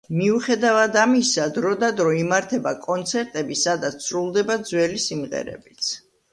მიუხედავად ამისა, დრო და დრო იმართება კონცერტები, სადაც სრულდება ძველი სიმღერებიც.